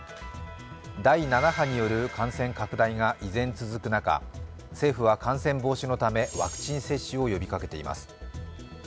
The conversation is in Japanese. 第７波による感染拡大が依然、続く中、政府は感染防止のため、ワクチン接種を呼びかけています。